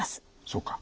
そうか。